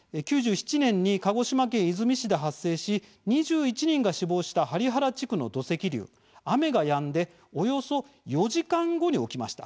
９７年に鹿児島県出水市で発生し２１人が死亡した針原地区の土石流、雨がやんでおよそ４時間後に起きました。